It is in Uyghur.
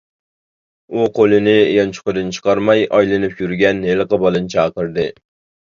ئۇ قولىنى يانچۇقىدىن چىقارماي ئايلىنىپ يۈرگەن ھېلىقى بالىنى چاقىردى.